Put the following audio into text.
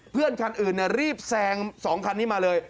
คันอื่นรีบแซง๒คันนี้มาเลย